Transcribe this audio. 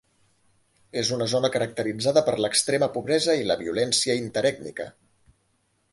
És una zona caracteritzada per l'extrema pobresa i la violència interètnica.